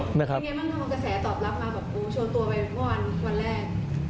วันไหนมันก็มีกระแสตอบรับมาโอ้โหโชว์ตัวไปวันแรก